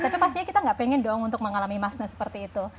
tapi pastinya kita gak pengen dong untuk mengalami masne seperti itu